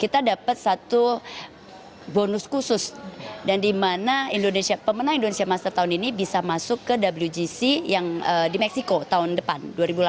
kita dapat satu bonus khusus dan di mana pemenang indonesia master tahun ini bisa masuk ke wgc yang di meksiko tahun depan dua ribu delapan belas